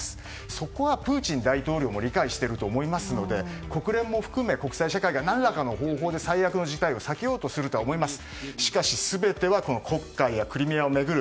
そこはプーチン大統領も理解していると思いますので国連も含め国際社会が何らかの方法で最悪の事態を避けようとするとは思います。